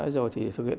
rồi thì thực hiện